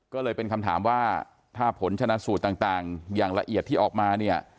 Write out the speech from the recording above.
ก็เลยเป็นคำถามว่าถ้าผลชนะสูตรต่างอย่างละเอียดที่ออกมาเนี่ย